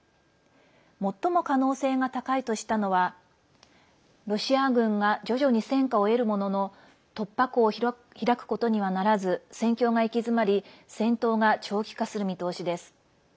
最も可能性が高いとしたのはロシア軍が徐々に戦果を得るものの突破口を開くことにはならず戦況が行き詰まり戦闘が長期化する見通しです。